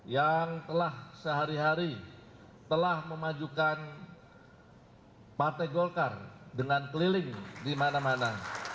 yang telah sehari hari telah memajukan partai golkar dengan keliling di mana mana